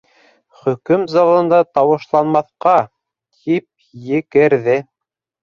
—Хөкөм залында тауышланмаҫҡа! —тип екерҙе.